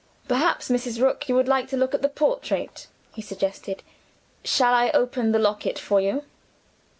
"Perhaps, Mrs. Rook, you would like to look at the portrait?" he suggested. "Shall I open the locket for you?"